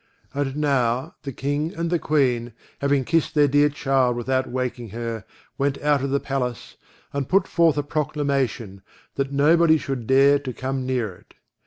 And now the King and the Queen, having kissed their dear child without waking her, went out of the palace, and put forth a proclamation, that nobody should dare to come near it.